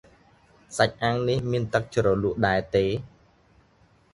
សាច់អាំងនេះមានទឹកជ្រលក់ដែរទេ?